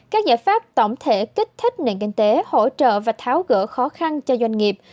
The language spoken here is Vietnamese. các giải pháp tổng thể kích thích nền kinh tế hỗ trợ và tháo gỡ khó khăn cho doanh nghiệp